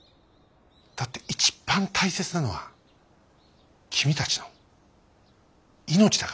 だって一番大切なのは君たちの命だからね。